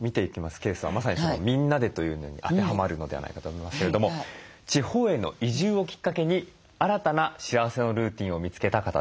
ケースはまさに「みんなで」というのに当てはまるのではないかと思いますけれども地方への移住をきっかけに新たな幸せのルーティンを見つけた方です。